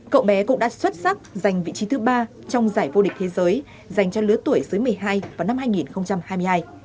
cậu bé cũng đã xuất sắc giành vị trí thứ ba trong giải vô địch thế giới dành cho lứa tuổi dưới một mươi hai vào năm hai nghìn hai mươi hai